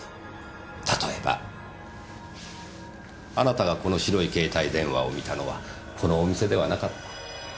例えば。あなたがこの白い携帯電話を見たのはこのお店ではなかった。